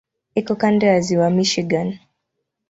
Iko kando ya Ziwa Michigan.